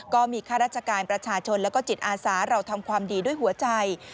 ข้าราชการประชาชนแล้วก็จิตอาสาเราทำความดีด้วยหัวใจ